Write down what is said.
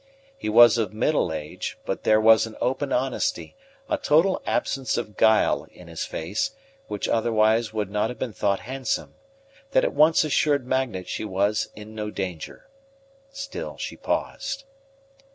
He was of middle age; but there was an open honesty, a total absence of guile, in his face, which otherwise would not have been thought handsome, that at once assured Magnet she was in no danger. Still she paused.